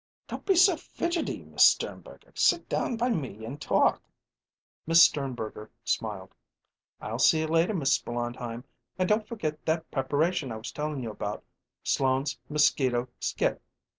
"Don't be so fidgety, Miss Sternberger; sit down by me and talk." Miss Sternberger smiled. "I'll see you later, Mrs. Blondheim; and don't forget that preparation I was tellin' you about Sloand's Mosquito Skit.